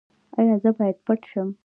ایا زه باید پټ شم؟